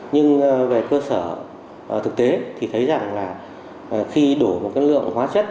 nhưng về cơ sở thực tế thì thấy rằng là khi đổ một cái lượng hóa chất